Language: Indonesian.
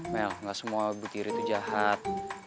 mel gak semua ibu tiri tuh jahat